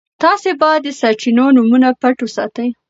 تاسي باید د سرچینو نومونه پټ وساتئ.